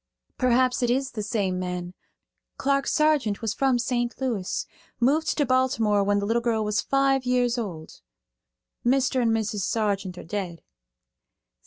"Perhaps it is the same man. Clark Sargeant was from St. Louis; moved to Baltimore when the little girl was five years old. Mr. and Mrs. Sargeant are dead."